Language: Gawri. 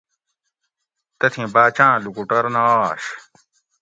تتھیں باچاۤں لوکوٹور نہ آش